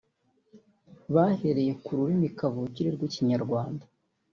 bahereye ku rurimi kavukire rw’Ikinyarwanda